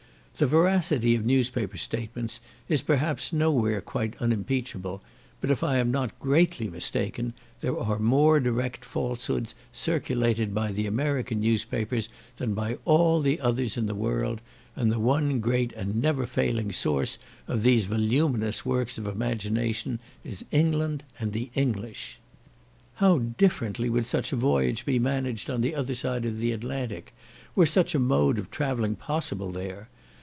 The veracity of newspaper statements is, perhaps, nowhere quite unimpeachable, but if I am not greatly mistaken, there are more direct falsehoods circulated by the American newspapers than by all the others in the world, and the one great and never failing source of these voluminous works of imagination is England and the English. How differently would such a voyage be managed on the other side of the Atlantic, were such a mode of travelling possible there.